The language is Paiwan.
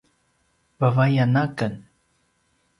vavayan aken